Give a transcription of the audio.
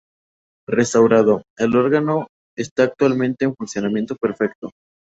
Restaurado, el órgano está actualmente en funcionamiento perfecto.